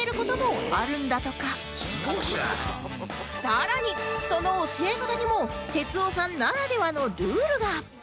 更にその教え方にも哲夫さんならではのルールが！